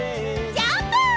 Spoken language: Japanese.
ジャンプ！